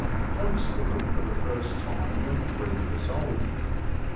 Pike spawn for the first time when three years old.